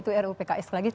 itu ru pks lagi